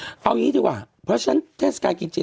เอาอย่างนี้ดีกว่าเพราะฉะนั้นเทศกาลกินเจ